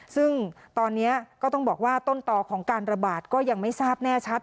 ซึ่งตอนนี้ก็ต้องบอกว่าต้นต่อของการระบาดก็ยังไม่ทราบแน่ชัด